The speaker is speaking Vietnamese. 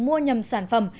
mua nhầm sản phẩm